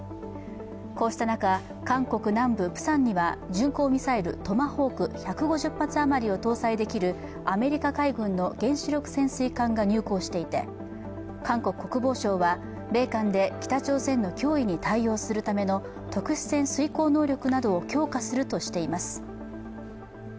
こうした中、韓国南部プサンには巡航ミサイル、トマホーク１５０発あまりを搭載できるアメリカ海軍の原子力潜水艦が入港していて韓国国防省は米韓で北朝鮮の脅威に対応するための特殊戦遂行能力などを強化するとしています。